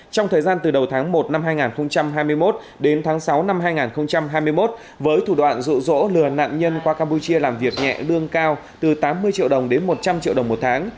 trong thời gian từ đầu tháng một năm hai nghìn hai mươi một đến tháng sáu năm hai nghìn hai mươi một với thủ đoạn rụ rỗ lừa nạn nhân qua campuchia làm việc nhẹ lương cao từ tám mươi triệu đồng đến một trăm linh triệu đồng một tháng